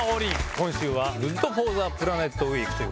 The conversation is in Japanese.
今週は「ＧｏｏｄＦｏｒｔｈｅＰｌａｎｅｔウィーク」。